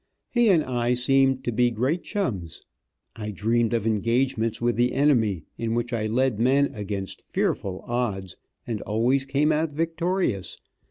He and I seemed to be great chums. I dreamed of engagements with the enemy, in which I led men against fearful odds, and always came out victorious.